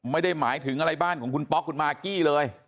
ไม่ได้หมายถึงอะไรบ้านของคุณป๊อกคุณมากกี้เลย